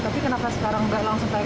tapi kenapa sekarang nggak langsung naik